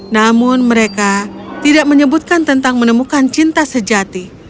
namun mereka tidak menyebutkan tentang menemukan cinta sejati